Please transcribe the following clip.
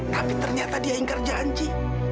tapi ternyata dia ingkar janji